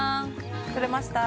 とれました。